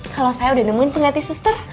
kalau saya udah nemuin pengganti suster